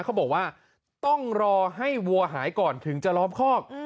เขาบอกว่าต้องรอให้วัวหายก่อนถึงจะล้อมคอก